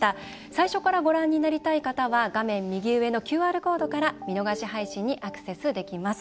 最初からご覧になりたい方は画面右上のＱＲコードから見逃し配信にアクセスできます。